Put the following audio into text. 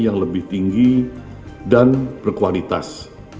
yang lebih tinggi dan berkualitas